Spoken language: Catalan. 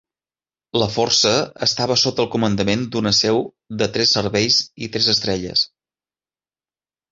La força estava sota el comandament d'una seu de tres serveis i tres estrelles.